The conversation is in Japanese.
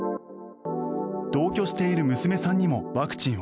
同居している娘さんにもワクチンを。